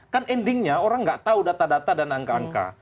kan endingnya orang nggak tahu data data dan angka angka